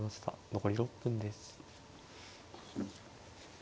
残り６分です。